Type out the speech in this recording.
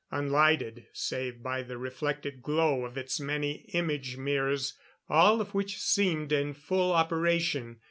Unlighted, save by the reflected glow of its many image mirrors, all of which seemed in full operation.